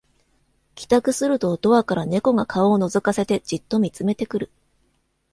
帰宅するとドアから猫が顔をのぞかせてじっと見つめてくる